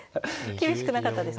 厳しくなかったですか。